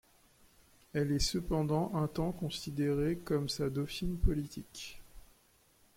Elle est cependant un temps considérée comme sa dauphine politique.